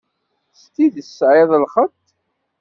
S tidet tesεiḍ lxeṭṭ.